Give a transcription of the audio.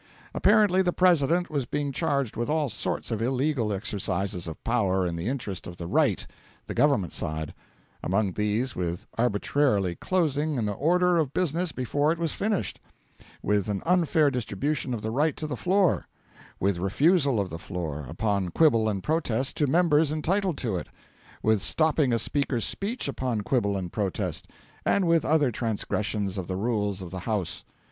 Apparently the President was being charged with all sorts of illegal exercises of power in the interest of the Right (the Government side): among these, with arbitrarily closing an Order of Business before it was finished; with an unfair distribution of the right to the floor; with refusal of the floor, upon quibble and protest, to members entitled to it; with stopping a speaker's speech upon quibble and protest; and with other transgressions of the Rules of the House.